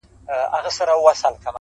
یو ناڅاپه پر یو سیوري برابر سو!.